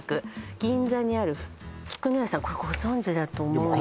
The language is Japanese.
銀座にある菊廼舎さんこれご存じだと思うんです